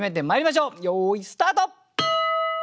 よいスタート！